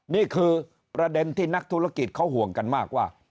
นี่คือประเด็นที่นักธุรกิจเขาห่วงกันมากว่า